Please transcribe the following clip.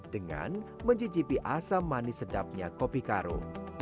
dengan mencicipi asam manis sedapnya kopi karung